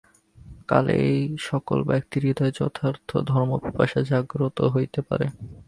কালে এই-সকল ব্যক্তির হৃদয়ে যথার্থ ধর্মপিপাসা জাগ্রত হইতে পারে।